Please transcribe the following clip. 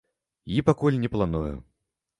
І пакуль не планую.